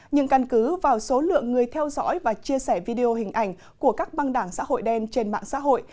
nhưng căn cứ vào số lượng người theo dõi và chia sẻ video hình ảnh của các băng đảng xã hội đen trên mạng xã hội